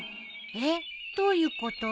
えっ？どういうこと？